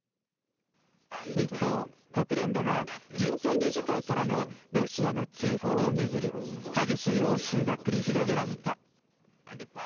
一方、国連では人権理事会からのロシアの追放を巡り、激しい応酬が繰り広げられた。